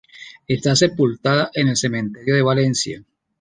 Está sepultada en el cementerio de Valencia.